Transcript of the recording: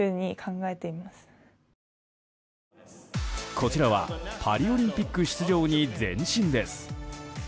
こちらはパリオリンピック出場に前進です。